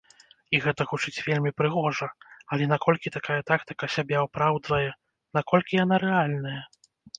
І гэта гучыць вельмі прыгожа, але наколькі такая тактыка сябе апраўдвае, наколькі яна рэальная?